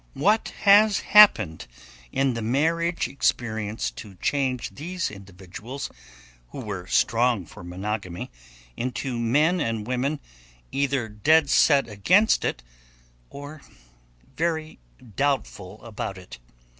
What has happened in the marriage experience to change these individuals who were strong for monogamy into men and women either dead set against it or very doubtful about it?